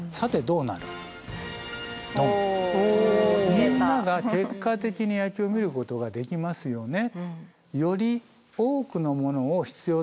みんなが結果的に野球を見ることができますよね。